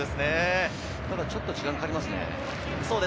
ただ、ちょっと時間がかかりますね。